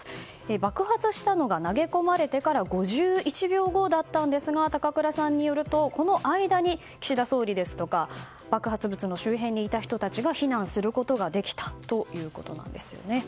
爆発したのが投げ込まれてから５１秒後だったんですが高倉さんによるとこの間に岸田総理ですとか爆発物の周辺にいた人たちが避難することができたということです。